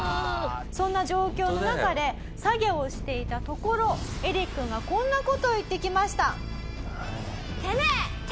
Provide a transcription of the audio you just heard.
そんな状況の中で作業をしていたところエリックがこんな事を言ってきました。